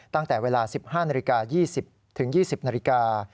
ตั้งแต่เวลา๑๕นาฬิกา๒๐๒๐นาฬิกา